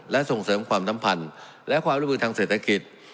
และส่งเสริมความสัมพันธ์และความร่วมมือทางเศรษฐกิจ